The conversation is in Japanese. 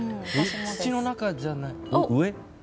土の中じゃない、上？